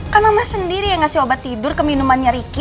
kan mama sendiri yang ngasih obat tidur ke minumannya ricky